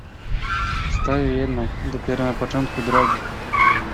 "Stoję jednak dopiero na początku drogi!"